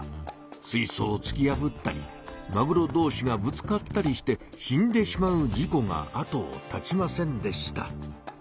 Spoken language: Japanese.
水そうをつきやぶったりマグロどうしがぶつかったりして死んでしまう事こがあとをたちませんでした。